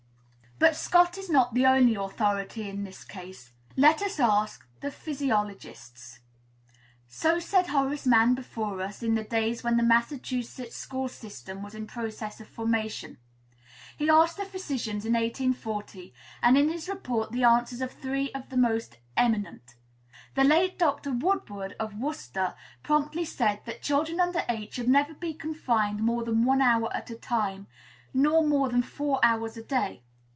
"But Scott is not the only authority in the case; let us ask the physiologists. So said Horace Mann before us, in the days when the Massachusetts school system was in process of formation. He asked the physicians in 1840, and in his report printed the answers of three of the most eminent. The late Dr. Woodward, of Worcester, promptly said that children under eight should never be confined more than one hour at a time, nor more than four hours a day.